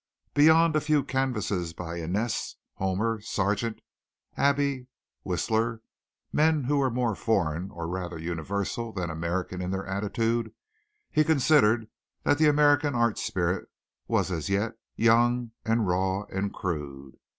Beyond a few canvases by Inness, Homer, Sargent, Abbey, Whistler, men who were more foreign, or rather universal, than American in their attitude, he considered that the American art spirit was as yet young and raw and crude.